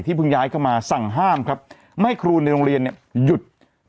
ที่เพิ่งย้ายเข้ามาสั่งห้ามไม่ให้ครูในโรงเรียนหยุด